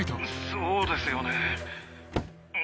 そうですよね。